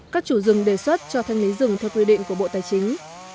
các chủ rừng đề xuất cho thanh lý rừng theo quy định của bộ tài chính